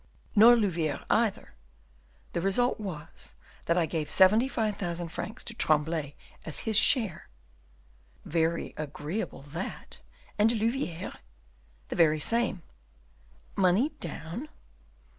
"Nor Louviere either: the result was, that I gave seventy five thousand francs to Tremblay as his share." "Very agreeable that! and to Louviere?" "The very same." "Money down?"